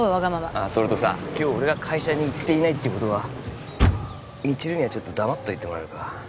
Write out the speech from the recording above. ああそれとさ今日俺が会社に行っていないっていうことは未知留にはちょっと黙っといてもらえるか？